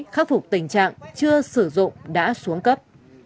khắc phục tình trạng chưa sử dụng đã xuống cấp